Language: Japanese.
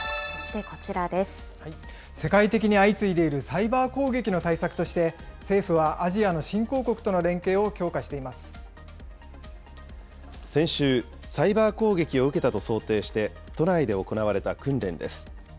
世界的に相次いでいるサイバー攻撃の対策として、政府はアジアの新興国との連携を強化してい先週、サイバー攻撃を受けたと想定して、都内で行われた訓練です。